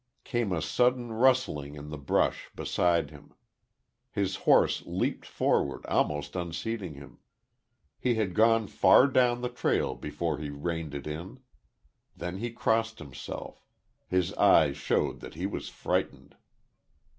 Came a sudden rustling in the brush, beside him. His horse leaped forward, almost unseating him.... He had gone far down the trail before he reined it in. Then he crossed himself. His eyes showed that he was frightened.